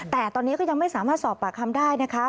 แต่ตอนนี้ก็ยังไม่สามารถสอบปากคำได้นะคะ